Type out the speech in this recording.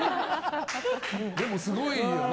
でもすごいよな。